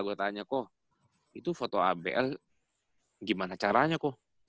gua tanya ko itu foto abl gimana caranya ko